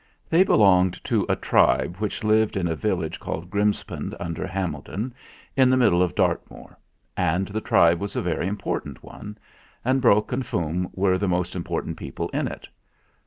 They belonged to a tribe which lived in a village called Grimspound, under Hameldon in the middle of Dartmoor; and the tribe was a very important one, and Brok and Fum were the most important people in it.